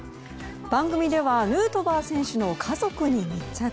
番組ではヌートバー選手の家族に密着。